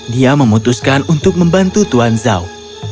dia memutuskan untuk membantu tuan zhao